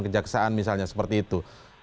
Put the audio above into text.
kejaksaan misalnya seperti itu